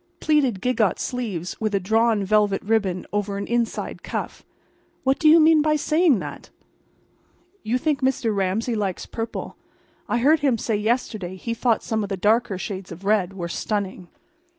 "—plaited gigot sleeves with a drawn velvet ribbon over an inside cuff. What do you mean by saying that?" "You think Mr. Ramsay likes purple. I heard him say yesterday he thought some of the dark shades of red were stunning."